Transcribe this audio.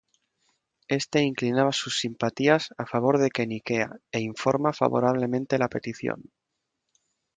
Este inclinaba sus simpatías a favor de Queniquea e informa favorablemente la petición.